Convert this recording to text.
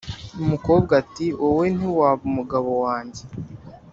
umukobwa ati: «wowe ntiwaba umugabo wange